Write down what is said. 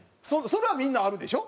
それはみんなあるでしょ？